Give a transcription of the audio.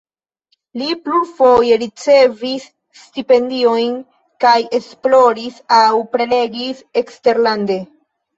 Li plurfoje ricevis stipendiojn kaj esploris aŭ prelegis eksterlande.